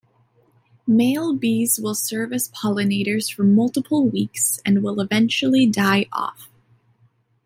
Male bees will serve as pollinators for multiple weeks and will eventually die off.